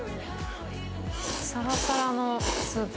サラサラのスープ。